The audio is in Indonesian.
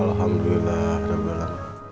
alhamdulillah ada belan